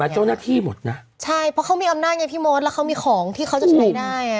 ใช่เพราะเขามีอำนาจไงพี่มศแล้วเขามีของที่เขาจะใช้ได้